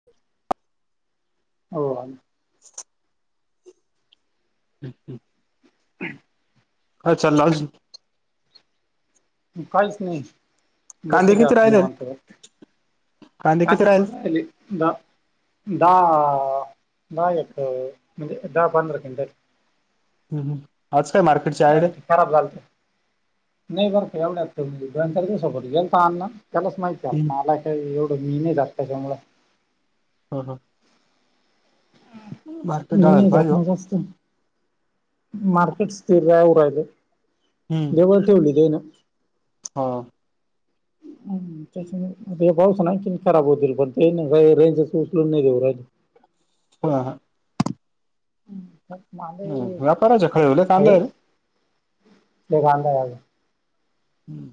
[unintelligible] हो. [inaudible] हम्म हम्म. [inaudible] काय चाल अजून? काहीच नाही. कांदे बसुने किती आता राहिले निवांत फक्त कांदे किती राहिले [unintelligible] द दहा दहा य म्हणजे दहा पंधरा कंटात ह आज काय मार्केटची आयडिया? खराब झालत नाही बर एवढ्यात त दोन चार दिवसभर गेल तर आण्णा त्यालाच माहित. जास्त हम्म मला काय एवढं मी नाही जात त्याच्यामुळं. हं हं. मार्केट मी डाळायला नाही जात पाहिजे हो न जास्त. मार्केट स्थिर राहू राहील देवळ ठेवली देे ना. हा. मंग त्याच्यामुळे त्या पाऊस नाही की खराब होतील पण ते रेंजच उचलून नाही देऊ राहिल. हा हा. हम. ह व्यापारच कळले कांदे येईल. येखादा आहे. हम्म.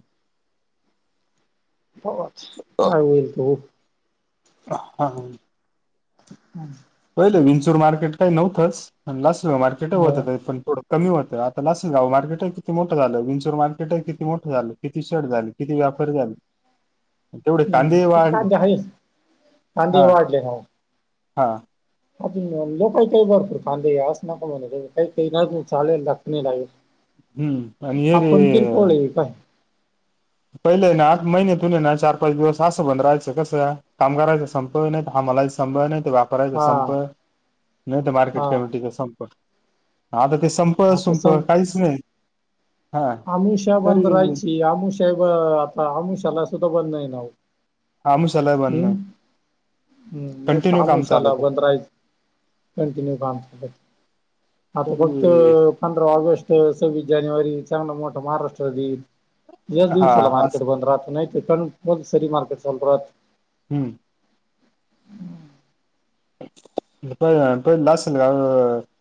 पाहू आता काय होईल ते होईल. हा. हम्. पहिले विंचर मार्केट काही नव्हंच प लास्ट मार्केट हो. होत पण थोड कमी होत आता लस जाव मार्केट आहे किती मोठं झालं विंचोर मार्केट आहे किती मोठं झालं किती शर्ट झाली. किती व्यापार झाला. हम्म कांद्या हरी कांदे वाढले ना. हां. अजून लोकही काही भरपूर फांदच नक म्हणा काही काही चालेल द नाही लागेल. हम्म आणि हे आपण किरकोळये काय. पहिलं ना आता महिने तुन ना चार पाच दिवस असं बंद राहायचं कसं कामगारांचा संप व नाही हामलाहीच संपव नाही ते बा हा हा [unintelligible] ते संप आता संप काहीच नाही. हा आमिषा तरी बंद राहायची आमषा ब आता आमिषाला सुद्धा बंद नाही ना. अमिषाला ही बंद हम्म नाही. हम्म नाही त कंटिन्यू काम अमिषाला चालत बंद राय कंटिन्यू काम. आता फक्त तरी पंधरा ऑगस्ट सव्वीस जानेवारी चांगला मोठा महाराष्ट्र दिन याच हा दिवसाला अस मार्केट बंद राहत नाही कारण सरी मार्केट चालू राहत. हम. [unintelligible]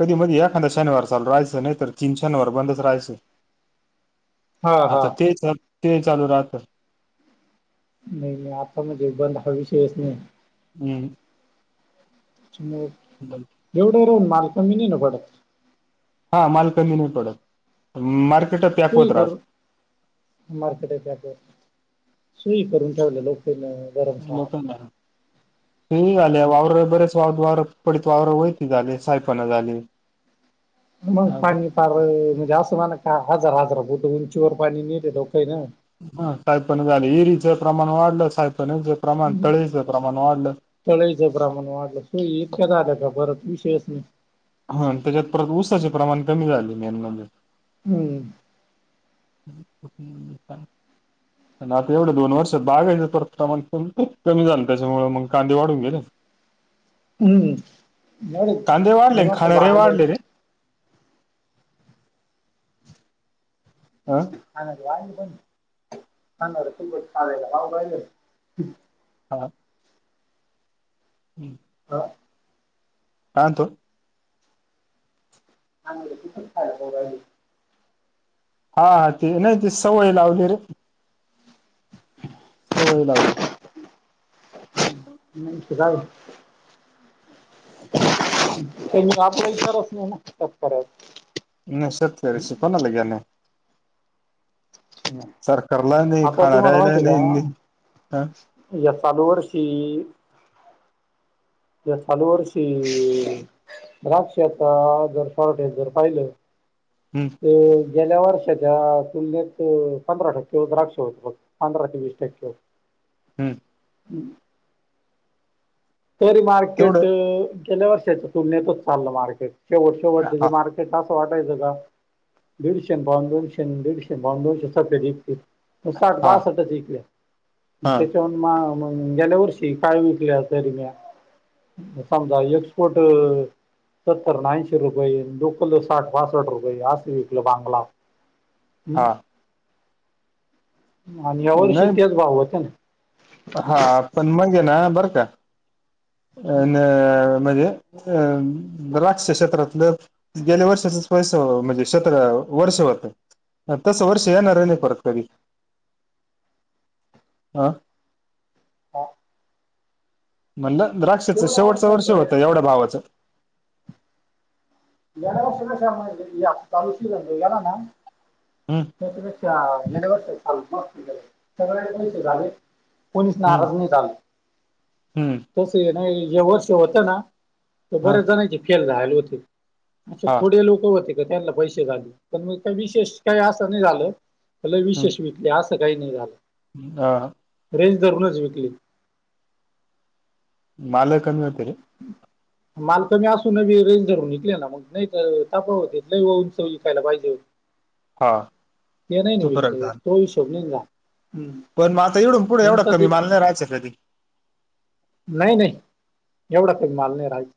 कधी मधी एखादा शनिवार चालू राहायचं नाही तर तीन शनिवार बंदच राहायचं. हा हा आता ते ते चालू राहत. नाही नाही आता म्हणजे बंद हा विषयच नाही. हम्. तेच्यामुळं [unintelligible] एवढं राहून मालस मी नाही न पडत. हा माल कमी नाही पडत, पण मार्केट प्याक होत राहात. मार्केटच्यात, सुई करून ठेवलेले त्यानं. लोकांना, [unintelligible] वावरं बरेच. त्याव्दारत पडकी आवर वैती झाले साहेपणा झाले. मग पाणी हा पार्र म्हणजे असं म्हणा का हजार हजार घुट उंचीवर पाणी नेत डोक्यानं. हं सायपण झाले इरीचं प्रमाण वाढलं सायपनेच प्रमाण तळेचं प्रमाण वाढलं. तळईच प्रमाण वाढलं त इतक्या नादात बर विश्वास नाही. हा त्याच्यात परत ऊसाचे प्रमाण कमी झाले मेन म्हणजे. हम्म ऊस कुठून नेतात. पण आता एवढं दोन वर्षात बागायच [unintelligible] त्याच्यामुळे मंग कांदे वाढून गेलेत. हम्म कांदे वाढले आण एवढे खाणारेही बागलं वाढले रे. हा [unintelligible] राहिलं हा हं हा आणतो. आंद्र किती [unintelligible] हा, ती नाही ती सवय लावली रे. सवय लावली. [unintelligible] जाऊदे. मी आपलं इचार असले ना तेच करायच. न [unintelligible] सुता ना लगेने सरकारला नाही आता तुम्हाला खाणार्यायला माहिती आहे नाही नी का हं. या चालू वर्षी या चालू वर्षी द्राक्ष आता, जर सावटे जर पाहिलं. हम् ते गेल्यावर्षाच्या आत. तुलनेत, पंधरा टक्के व द्राक्ष होत [unintelligible] पंधरा ते वीस टक्केवर. हम्म हम्म तरी मार्केट, तेवढं गेल्या वर्षाच तुलनेतच चाललं मार्केट शेवटच्या हा [unintelligible] मार तिथं असं वाटायचं का दीड [unintelligible] [unintelligible] पण साठ हा बासटच विकल्या, हा त्याच्यावन मा म गेल्यावर्षी कायम विकल्या होत्या. [unintelligible] मग समजा एक्सपोट सत्तरणऐंशी रुपये लुकल साठ बासट रुपये असं विकलं बांगला. हा हम्म हम्म आणि ह्यावर्षी नाही तेच भाव होतं ना. हा पण म्हणजे ना बरं त्या अ न म्हणजे. अम द्राक्ष क्षेत्रातलं गेल्या वर्षाचच पैस म्हणजे शतरा वर्ष होतय. तसं वर्ष येणार आहे ना परत कधी, हा. [inaudible] म्हणलं द्राक्षचं तेवढं शेवटचं वर्ष होतं गेल्या एवढ्या भावाचं. गेल्या वर्ष [unintelligible] चालू श [unintelligible] गेला ना. हम्म. त्याच्यापेक्षा गेल्या वर्षी चांगलं झालं सगळयला पैसे झाल. कोणीच हम्म नाराज नाही झालं. हम्म. तस ये नाही हे वर्ष होतं ना तर हा बऱ्याच जणांचे फेल झाले होती. असे हा थोडे लोक होते का त्यांना पैसे झाले पण मग का विशेष काही असं नाही झालं. लई हम्म विशेष विकले असं काही नाही झालं. [inaudible] रेंज धरूनच विकली. मालही लई कमी होते रे. माल कमी असूनी रेज धरून विकले ना मग. नाही तर ताप होत लई उंच विकायला पाहिजे. हा ते नाही नाही तो फरक झाला विकत तो हिशोब नाही ना. झाला पण आता इडून पुढे एवढा तुमचा कमी ते माल नाही राहिचा कधी? नाही नाही एवढा काही माल नाही राहिचा.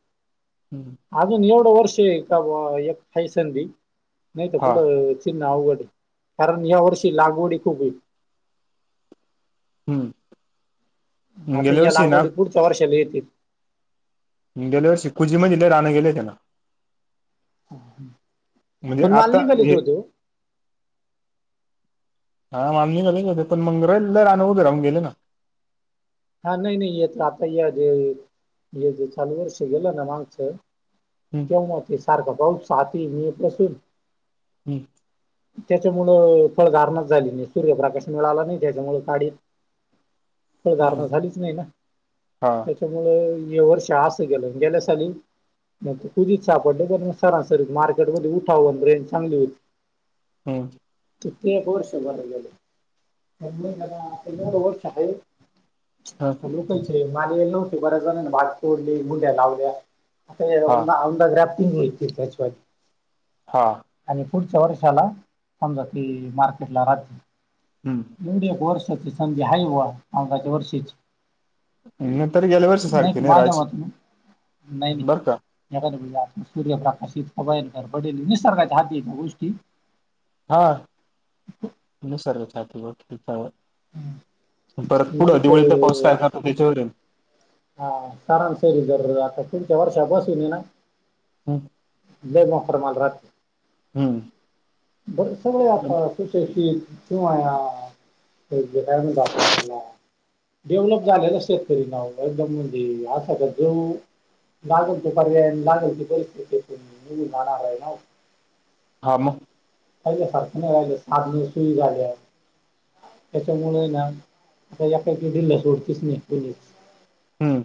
हम्म. अजून एवढं वर्ष का एक हाय संधी नाही तर हा पुढं फिरणं अवघड कारण या वर्षी लागवडी खूप होईल. हम्म. आता गेल्या या वर्षी ना लागवडी पुढच्या वर्षाला येतील. गेल्या वर्षी खुचीमध्ये लई रान गेलं होते ना. म्हणजे पण माल आता निघाले होते हो. [inaudible] हा निघाले होते पण मग रन लई उभे राहून गेले ना. हा नाही नाही तर आता या जे जे चालू वर्ष गेलं ना मागच. हम्म. तेव्हा ते सारखं पाऊसहाती मे पासून. हम्म. त्याच्यामुळं फळधारणाच झाली नाही सूर्यप्रकाश मिळाला नाही त्याच्यामुळ काडी हम्म. हा [unintelligible] त्याच्यामुळे ये वर्ष अस गेलं गेल्या साली [unintelligible] सापडलं तर म सरांसरीत मार्केटमध्ये उठावन रईन चांगली होईल. हम्म. ते एक वर्ष जड गेल [unintelligible] हा. लोकायचे मालवेल नव्हते बऱ्याचजनानं भात फोडली मुड्या लावल्या आता हा औंदा औंदा ग्राफ्टिंग हे [unintelligible] हां. आणि पुढच्या वर्षाला समजा ते मार्केटला राहतील. हम्म. एवडी एक वर्षाची संधी हाईवा औंदाच्या वर्षीच. नंतर गेल्या वर्षी नाही सारखी त माझ्या राहायची मतेनं नाही नाही. बरं का एखाद्यावेळी सूर्यप्रकाशित कवयन गरबडेल निसर्गाच्या हाती काये गोष्टी. हा नीसर्गाच्या [unintelligible] परत नाही पुढं दिवाळीत ते पाऊस काय करनार त्याच्यावरेनं. हा सारासरी जर आता पुढच्या वर्षापासुन आहे ना. हम्म लय [unintelligible] माल राहतं. हम्म बरं सगळे आता सुशक्षीत किंवा हे जे काय म्हणतो आपण त्याला-. डेव्हलप झालेला शेतकरी नाव एकदम म्हणजे अस तर जो-. लागंल ते पर्याय अन् लागंल ते पैसे. [unintelligible] हां मग. पहिले सारखं नाई राहिले साधने सुई झाल्या. त्याच्यामुळे ना आता एकाएकी ढिल्ल सोडतीच नी कोणीच. हम्म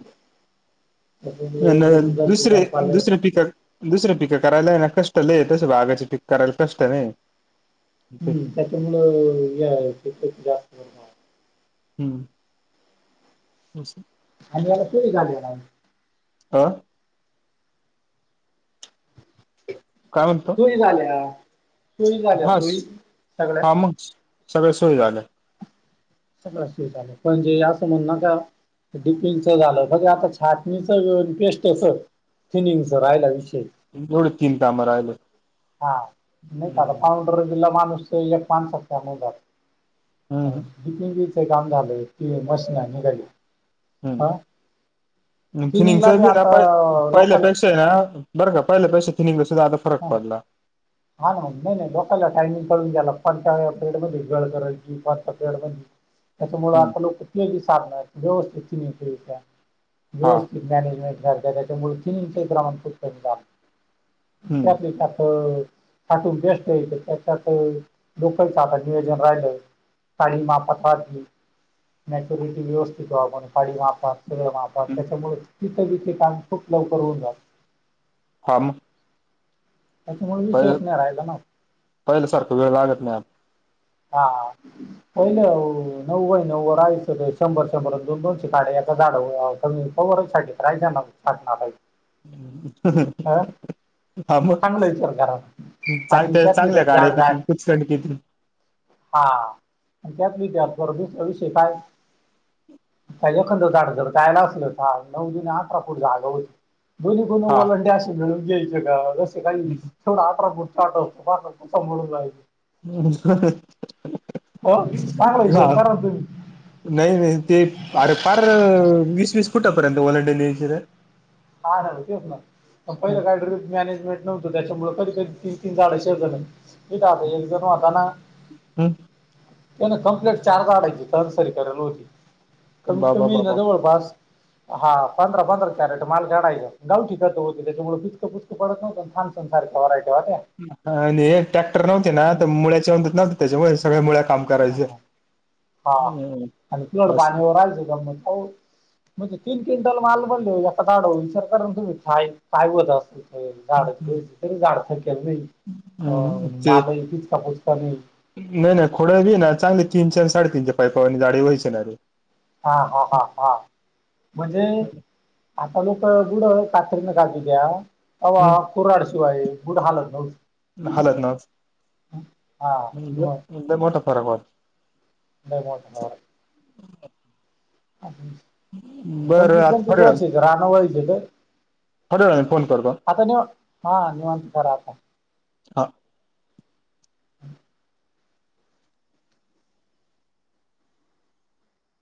त्याच्यामुळे अन एकदम दुसरे दर्जेदार पाले दुसरे पिकं-. दुसरे पिकं करायला आहे ना कष्ट लय, तस बागाचे पीकं करायला कष्ट नहीये. हम्म त्याच्यामुळं [unintelligible] जास्त कर. हं [unintelligible] आस. आणि [unintelligible] हा. काय म्हणता. सोयी झाल्या सोई झाल्या सोई सगळ्या- सगळं सोई झालं. सगळ्या सोई झाल्या पण जे आसं म्हणु नका. डिपिंचं झालं बघा आता छाटणीच अन् पेस्टचं-. [unintelligible] रायला विषय. तेवढे तीन काम राहिले. हम्म. [unintelligible] हम्म होय. दिपिंंगीचे काम झालं, ती मशीनं निघाली. हम्म हां [unintelligible] आता लोकलं- तेना बरं का पहिल्यापेक्षा थिनींगला सुद्धा आता फरक ह पडला. हा ना नाही नाही लोकाला टायमिंग कळूनन गेला कोणत्या पेडमध्ये गळ करायची कोणत्या पेडमध्ये-. [inaudible] त्याच्यामुळे आता लोक तेही सांगणार व्यवस्थित थिनींग केली का हा व्यवस्थित-. मॅनेजमेंट [inaudible] त्याच्यामुळे थिनींगचही प्रमाण खुप कमी झालं- [unintelligible] हम्म त्यातुन बेस्ट त्याच्यात लोकांच आता नियोजन राहिलं- [unintelligible] मॅचुरिटी व्यवस्थित व्हाव म्हणुन [inaudible] सगळं माफ. हम्म. त्याच्यामुळे तिथं बी ते काम खूप लवकर होऊन जात-. हा मग त्याच्यामुळे विश्वास नाही राहिला ना. पहिल्यासारखा वेळ लागत नाही. हा पहिले नव्व नव्व राहाच शंभर शंभर दोन दोनशे काडे झाड. [unintelligible] राय जा छटणार आहे. अह हा चांगलं वि सरकारात आणि चांगल्या त्यातले चांगल्या तर गाड्या जाड जाय किती कुचकंड किती हा त्याच विद्यार्थी बरोबच अविषय काय त्याच्या खं झाड जर जायला असेल होता नऊ ज अठरा फूट जाग होती दो्ही कोणी हा वॉलंटि अस मिळून घ्यायचं का जसं काही तेवढ आठरा फूट संभळून रायली हम हो सोड चांगला हिशोब करा ना तुम्ही ते नाही नाही ते अरे पार वीस वीस फुटापर्यंत वॉलडे कर हाना रे तेच ना पहिलं कायतर मॅनेजेंट नव्हतं त्याच्यामुळे कधी कधी ती तीन झाडं शेर झा नाही कता एक जण होता ना हम्म. त्या कम्प्लीट चारज आडाचीसरी करेल होती कमीत बाबा कमी बाबा जवळपास हा पंधरा पंधरा कॅरेट माल काडायं गावची खतं होती त्याच्यामुळचक पुचक पडतवत छान संसारख वराय ठेवा्या आणि ट्रॅक्टर नव्हते ना तर मुळचे अंधत नव्हते त्याच्यामुळे सगळ्या मुळ काम करायचं. ह हा आणि पिड असं पाणीवर राहायचं ग म म्हणजे तीन क्विंटल माल बनले एडव विसर करून ताय काय होत असल झाड तर झाडसक्याला नाही हम्म अ ते मालही किचका पुचका नाही नाही नाही खोड्या बी ना चांगले तीनच्या आणि साडेतीनच्या पायपावर जााडी व्हायची ना रे हा हा हा हा म्हणजे आता लोक गुड कात्रीने घाज द्या तवा हम्म कराड शिवाय गुड हालत नव्हती हालत नव्हती हा म्हणजे मग ईतका मोठा फरक वाट लय मोठ नाय वाटतो बरं पंचवीस आता पंचवीस थोड्या वेळानं वर्षाच राहणं व्हायच तर थोड्या वेळान फोन कर बरं आता निव हां निवांंत करा आता हा.